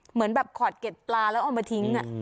เหมือนแบบขอดเก็ดปลาแล้วเอามาทิ้ง